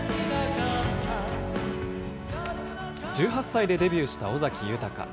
１８歳でデビューした尾崎豊。